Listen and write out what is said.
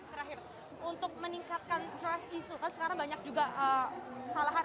terakhir untuk meningkatkan trust issue kan sekarang banyak juga kesalahan